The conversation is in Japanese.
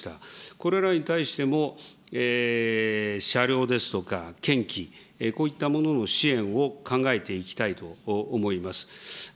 これらに対しても、車両ですとか建機、こういったものの支援を考えていきたいと思います。